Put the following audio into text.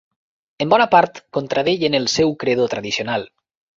En bona part contradeien al seu credo tradicional